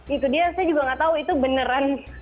itu dia saya juga nggak tahu itu beneran